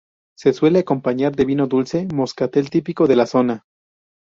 Se suele acompañar de vino dulce moscatel típico de la zona.